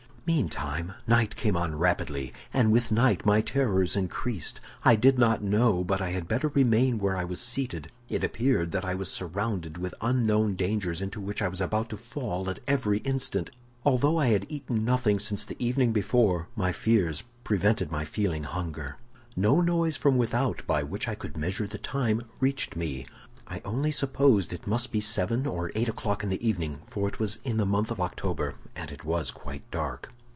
"Meantime, night came on rapidly, and with night my terrors increased. I did not know but I had better remain where I was seated. It appeared that I was surrounded with unknown dangers into which I was about to fall at every instant. Although I had eaten nothing since the evening before, my fears prevented my feeling hunger. "No noise from without by which I could measure the time reached me; I only supposed it must be seven or eight o'clock in the evening, for it was in the month of October and it was quite dark.